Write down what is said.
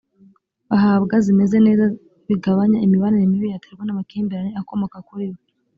bahabwa zimeze neze bigabanya imibanire mibi yaterwa n amakimbirane akomoka kuri we